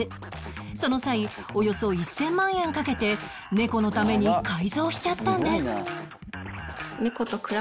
その際およそ１０００万円かけて猫のために改造しちゃったんです